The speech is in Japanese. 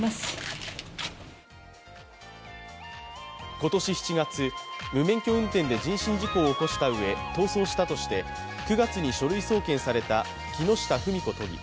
今年７月、無免許運転で人身事故を起こしたうえ、逃走したとして９月に書類送検された木下富美子都議。